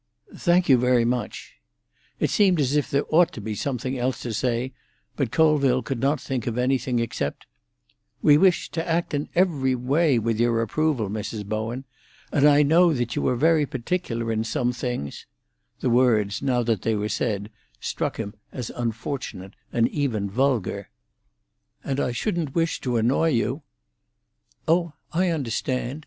"Thank you very much." It seemed as if there ought to be something else to say, but Colville could not think of anything except: "We wish to act in every way with your approval, Mrs. Bowen. And I know that you are very particular in some things"—the words, now that they were said, struck him as unfortunate, and even vulgar—"and I shouldn't wish to annoy you—" "Oh, I understand.